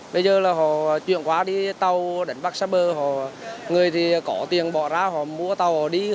bây giờ là họ chuyện quá đi tàu đánh bắt xa bờ người thì có tiền bỏ ra họ mua tàu họ đi